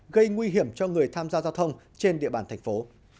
gây nguy hiểm cho người tham gia giao thông trên địa bàn thành phố